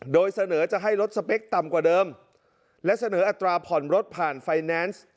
โดยเสนอจะให้รถสเปคต่ำกว่าเดิมและเสนออัตราผ่อนรถผ่านไฟแนนซ์